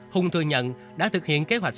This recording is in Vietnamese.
hùng thừa nhận đã thực hiện kế hoạch